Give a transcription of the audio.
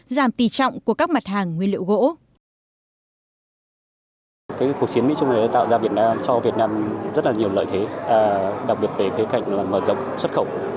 giảm tỷ trọng của các mặt hàng nguyên liệu gỗ